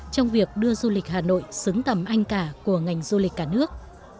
trong việc đưa du lịch hà nội xứng tầm anh cả của ngành du lịch cả nước